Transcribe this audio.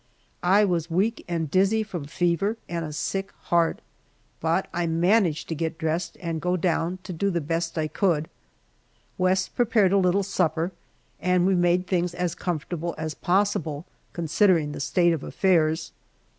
I was weak and dizzy from fever and a sick heart, but I managed to get dressed and go down to do the best I could. West prepared a little supper, and we made things as comfortable as possible, considering the state of affairs. Mrs.